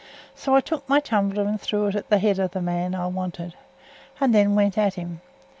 So I took my tumbler and threw it at th' head of th' man I wanted, and then went at him.